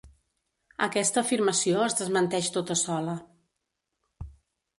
Aquesta afirmació es desmenteix tota sola.